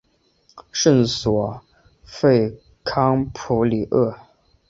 圣索弗康普里厄。